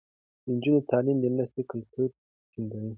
د نجونو تعليم د مرستې کلتور ټينګوي.